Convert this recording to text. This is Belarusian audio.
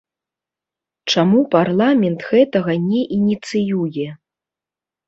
Чаму парламент гэтага не ініцыюе?